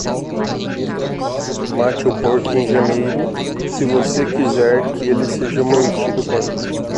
Mate o porco em janeiro, se você quiser que ele seja mantido bem.